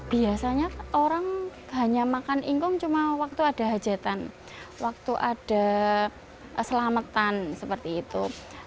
biasanya orang hanya makan ingkung cuma waktu ada hajatan waktu ada keselamatan seperti itu